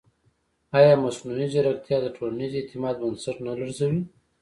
ایا مصنوعي ځیرکتیا د ټولنیز اعتماد بنسټ نه لړزوي؟